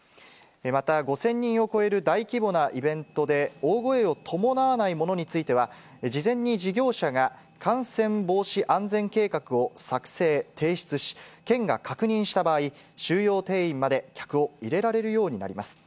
また、５０００人を超える大規模なイベントで、大声を伴わないものについては、事前に事業者が感染防止安全計画を作成・提出し、県が確認した場合、収容定員まで客を入れられるようになります。